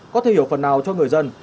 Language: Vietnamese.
có thể hiểu phần nào cho người dân